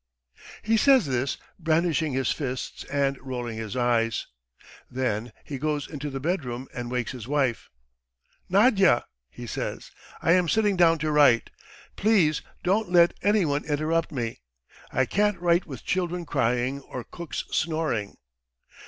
He says this, brandishing his fists and rolling his eyes. ... Then he goes into the bedroom and wakes his wife. "Nadya," he says, "I am sitting down to write. ... Please don't let anyone interrupt me. I can't write with children crying or cooks snoring.